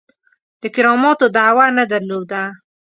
د کراماتو دعوه نه درلوده.